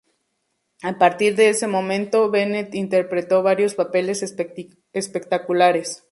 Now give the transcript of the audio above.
A partir de ese momento Bennett interpretó varios papeles espectaculares.